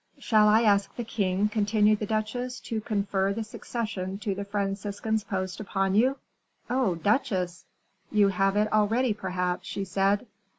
"Shall I ask the king," continued the duchesse, "to confer the succession to the Franciscan's post upon you?" "Oh, duchesse!" "You have it already, perhaps?" she said.